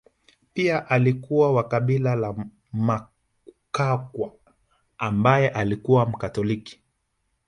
Pia alikuwa wa kabila la Wakakwa ambaye alikuwa Mkatoliki